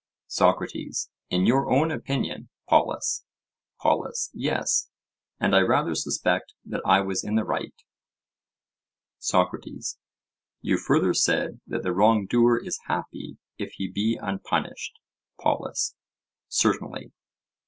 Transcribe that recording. SOCRATES: In your own opinion, Polus. POLUS: Yes, and I rather suspect that I was in the right. SOCRATES: You further said that the wrong doer is happy if he be unpunished? POLUS: Certainly.